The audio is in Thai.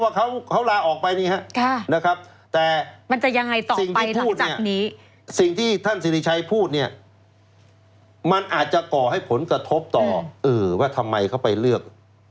เขาบอกว่าเขาลาออกไปเนี่ยครับแต่สิ่งที่ท่านศิริชัยพูดเนี่ยมันอาจจะก่อให้ผลกระทบต่อว่าทำไมเขาไปเลือก